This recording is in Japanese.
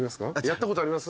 やったことあります？